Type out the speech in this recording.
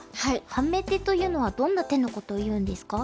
ハメ手というのはどんな手のことをいうんですか？